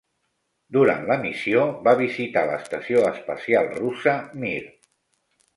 Durant la missió va visitar l'estació espacial russa Mir.